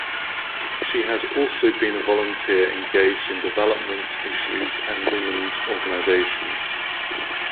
She has also been a volunteer engaged in development issues and women's organizations.